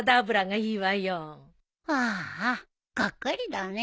ああがっかりだね。